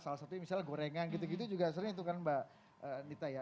salah satunya misalnya gorengan gitu gitu juga sering itu kan mbak nita ya